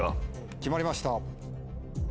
決まりました。